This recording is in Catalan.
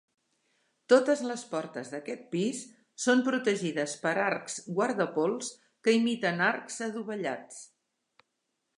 Totes les portes d'aquest pis són protegides per arcs guardapols que imiten arcs adovellats.